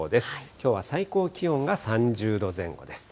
きょうは最高気温が３０度前後です。